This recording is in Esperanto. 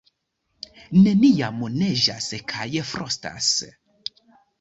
Neniam neĝas kaj frostas.